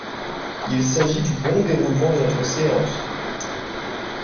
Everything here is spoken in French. Il s’agit du bon déroulement de notre séance.